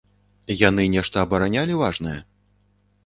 Яны нешта абаранялі важнае?